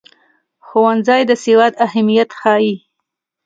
ښوونځی د سواد اهمیت ښيي.